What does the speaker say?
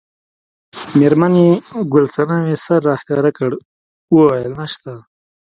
میرمن یې ګل صمنې سر راښکاره کړ وویل نشته.